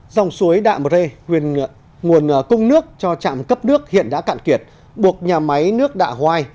dòng suối đạ bờ rê nguồn cung nước cho trạm cấp nước hiện đã cạn kiệt buộc nhà máy nước đạ hoai